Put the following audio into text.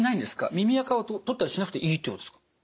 耳あかを取ったりしなくていいってことですか？